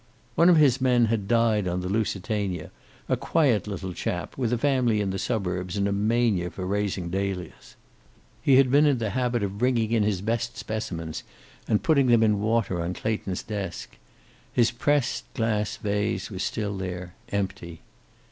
One of his men had died on the Lusitania, a quiet little chap, with a family in the suburbs and a mania for raising dahlias. He had been in the habit of bringing in his best specimens, and putting them in water on Clayton's desk. His pressed glass vase was still there, empty.